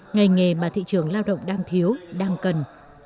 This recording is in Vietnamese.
ngành nghề mà thị trường lao động đang thiếu đang cần